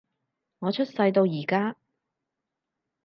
我出世到而家